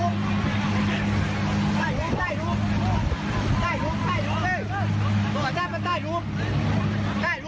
แค่เวลามากกว่าภายใจ